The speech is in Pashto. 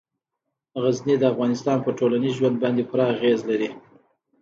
غزني د افغانانو په ټولنیز ژوند باندې پوره اغېز لري.